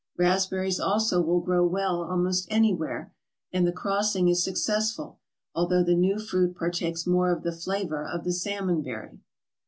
Raspberries also will grow well almost anywhere, and the crossing is suc cessful, although the new fruit partakes more of the flavour of the salmonberry.